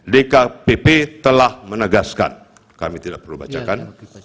dkpp telah menegaskan kami tidak perlu bacakan